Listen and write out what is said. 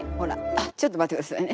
あちょっと待ってくださいね。